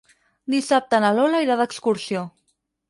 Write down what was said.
Dissabte na Lola irà d'excursió.